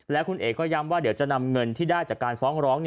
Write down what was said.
แล้วคุณเอกก็ย้ำว่าเดี๋ยวจะนำเงินที่ได้จากการฟ้องร้อง